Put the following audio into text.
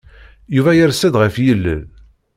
Yuba yers-d ɣef yilel.